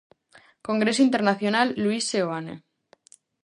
Congreso Internacional Luís Seoane.